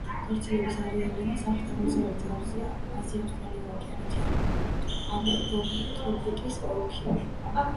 გავრცელების არეალებია სამხრეთ-აღმოსავლეთი აზია, ავსტრალია, ოკეანეთი, აფროტროპიკის ოლქი.